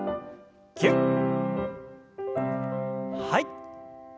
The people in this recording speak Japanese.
はい。